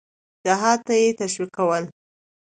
جهاد ته یې تشویقول.